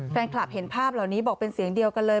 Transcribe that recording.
แฟนคลับเห็นภาพเหล่านี้บอกเป็นเสียงเดียวกันเลย